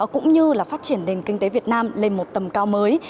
cũng như là phát triển nền kinh tế việt nam lên một tầm cao mới